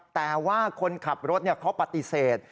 แต่ว่าคนขับรถเขาปฏิเสธ